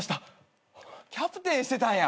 キャプテンしてたんや。